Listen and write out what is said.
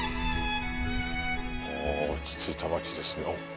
おぉ、落ち着いた町ですよ。